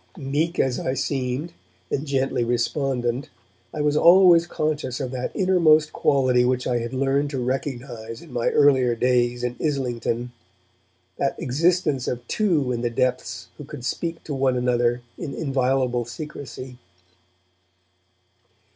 Meek as I seemed, and gently respondent, I was always conscious of that innermost quality which I had learned to recognize in my earlier days in Islington, that existence of two in the depths who could speak to one another in inviolable secrecy.